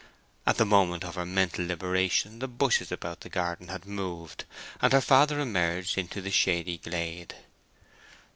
At the moment of her mental liberation the bushes about the garden had moved, and her father emerged into the shady glade.